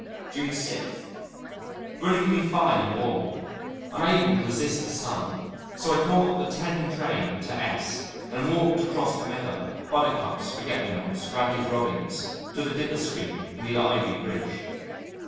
June 6. Brilliantly fine and warm. Unable to resist the sun, so I caught the ten train to S and walked across the meadow (buttercups, forget me nots, ragged robins) to the Dipper stream and the ivy bridge.